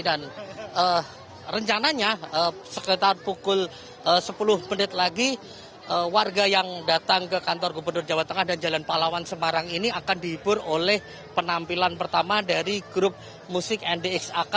dan rencananya sekitar pukul sepuluh menit lagi warga yang datang ke kantor gubernur jawa tengah dan jalan palawan semarang ini akan dihibur oleh penampilan pertama dari grup musik ndxak